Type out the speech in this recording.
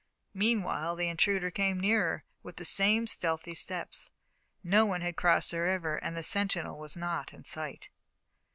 Meanwhile the intruder came nearer, with the same stealthy steps. No one had crossed the river and the sentinel was not in sight.